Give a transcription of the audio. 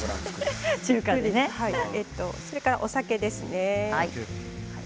それから、お酒ですね。